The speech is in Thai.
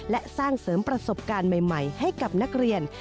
และสร้างเสริมประสบการณ์ใหม่ให้กับนักเรียน